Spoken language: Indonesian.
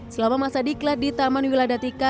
selama masa diklat di taman wiladatika